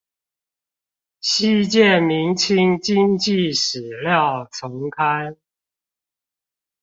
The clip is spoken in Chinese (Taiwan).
稀見明清經濟史料叢刊